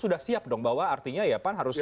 sudah siap dong bahwa artinya ya pan harus